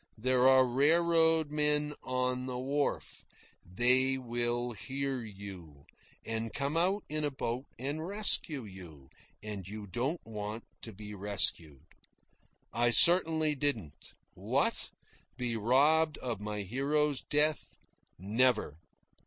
There are railroad men on the wharf. They will hear you, and come out in a boat and rescue you, and you don't want to be rescued." I certainly didn't. What? Be robbed of my hero's death? Never.